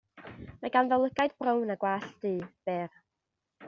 Mae ganddo lygaid brown a gwallt du, byr.